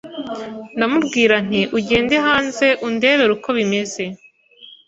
ndamubwira nti ugende hanze undebere uko bimeze